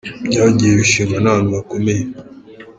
Byagiye bishimwa n’abantu bakomeye.